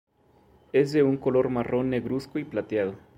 Es de un color marrón negruzco y plateado.